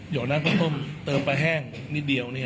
หย่อน้ำข้าวต้มเติมไปแห้งนิดเดียว